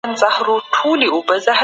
په کندهاري موسیقۍ کي رباب څه ارزښت لري؟